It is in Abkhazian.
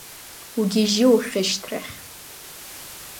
Угьежьы ухьышьҭрахь…